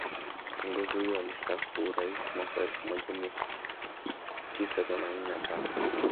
Kiongozi huyo alistaafu Uraisi mwaka elfu moja mia tisa themanini na tano